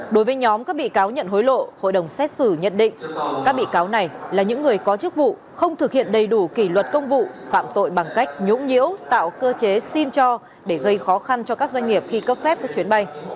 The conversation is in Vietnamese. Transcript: đối với nhóm các bị cáo nhận hối lộ hội đồng xét xử nhận định các bị cáo này là những người có chức vụ không thực hiện đầy đủ kỷ luật công vụ phạm tội bằng cách nhũng nhiễu tạo cơ chế xin cho để gây khó khăn cho các doanh nghiệp khi cấp phép các chuyến bay